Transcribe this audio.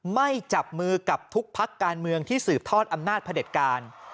ไม่จับมือกับทุกพักการเมืองที่สืบทอดอำนาจพระเด็จการ